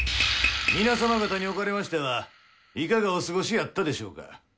皆さま方におかれましてはいかがお過ごしやったでしょうか。